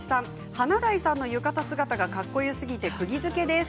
華大さんの浴衣姿がかっこよすぎて、くぎづけです。